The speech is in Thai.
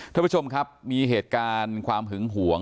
ท่านผู้ชมครับมีเหตุการณ์ความหึงหวง